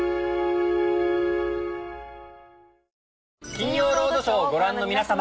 『金曜ロードショー』をご覧の皆様。